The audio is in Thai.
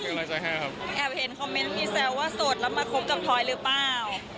เป็นกำลังใจให้ครับแอบเห็นคอมเมนต์มีแซวว่าโสดแล้วมาคบกับพลอยหรือเปล่า